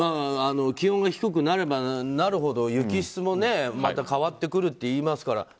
気温が低くなればなるほど雪質も、また変わってくるといいますから。